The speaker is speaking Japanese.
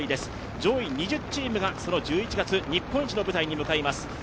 上位２０チームが１１月、日本一の舞台に向かいます。